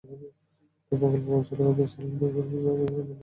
তবে প্রকল্প পরিচালক আবদুস সালাম দাবি করেন, যথাযথ নিয়মেই পুকুর খনন চলছে।